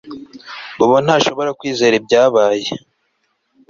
Bobo ntashobora kwizera ibyabaye